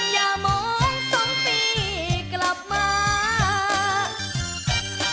อย่ามอง๒ปีกลับมา